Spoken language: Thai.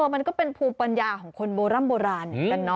อ๋อมันก็เป็นภูมิปัญญาของคนโบราณ